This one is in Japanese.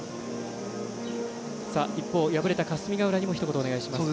一方、敗れた霞ヶ浦にもひと言お願いします。